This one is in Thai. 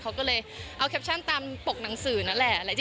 เขาก็เลยเอาแคปชั่นตามปกหนังสือนั่นแหละ